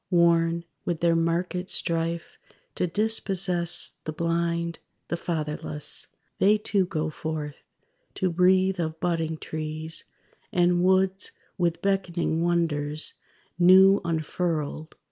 Worn with their market strife to dispossess The blind, the fatherless, They too go forth, to breathe of budding trees, And woods with beckoning wonders new unfurled.